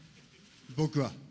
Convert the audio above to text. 僕は。